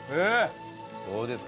どうですか？